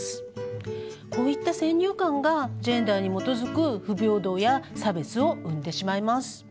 こういった先入観がジェンダーに基づく不平等や差別を生んでしまいます。